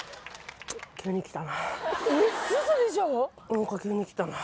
何か急にきたな。